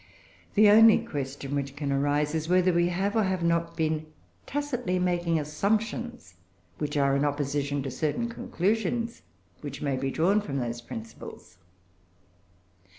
The only question which can arise is whether we have, or have not, been tacitly making assumptions which are in opposition to certain conclusions which may be drawn from those principles.